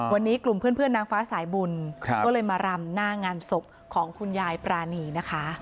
วันนี้กลุ่มเพื่อนนางฟ้าสายบุญก็เลยมารำหน้างานศพของคุณยายปรานีนะคะ